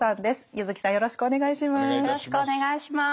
柚木さんよろしくお願いします。